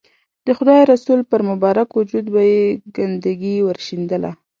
د خدای رسول پر مبارک وجود به یې ګندګي ورشیندله.